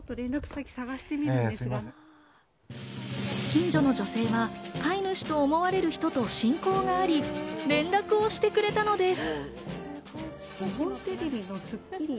近所の女性は飼い主と思われる人と親交があり、連絡をしてくれたのです。